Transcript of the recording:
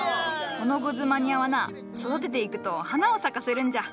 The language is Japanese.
このグズマニアはな育てていくと花を咲かせるんじゃ。